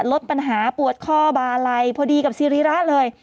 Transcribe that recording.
ลดปัญหาปวดข้อบาลัยพอดีกับซีรีระเลย